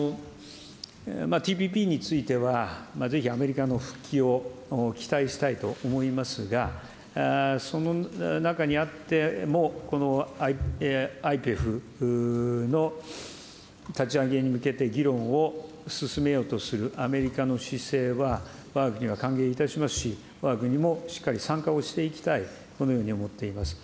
ＴＰＰについては、ぜひアメリカの復帰を期待したいと思いますが、その中にあっても、このＩＰＥＦの立ち上げに向けて議論を進めようとするアメリカの姿勢は、わが国は歓迎いたしますし、わが国もしっかり参加をしていきたい、このように思っています。